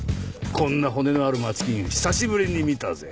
こんな骨のある街金久しぶりに見たぜ。